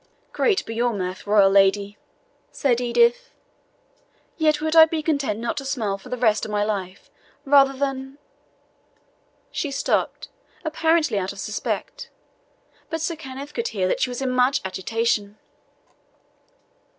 "Great be your mirth, royal lady," said Edith; "yet would I be content not to smile for the rest of my life, rather than " She stopped, apparently out of respect; but Sir Kenneth could hear that she was in much agitation.